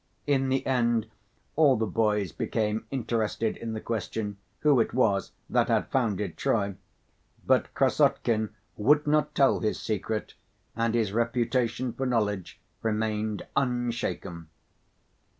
In the end all the boys became interested in the question, who it was that had founded Troy, but Krassotkin would not tell his secret, and his reputation for knowledge remained unshaken.